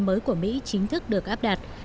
mới của mỹ chính thức được áp đặt